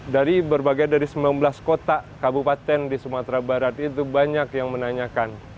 dari berbagai dari sembilan belas kota kabupaten di sumatera barat itu banyak yang menanyakan